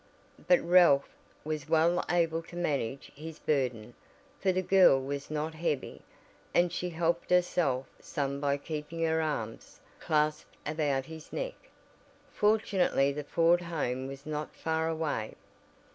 But Ralph was well able to manage his burden, for the girl was not heavy, and she helped herself some by keeping her arms clasped about his neck. Fortunately the Ford home was not far away.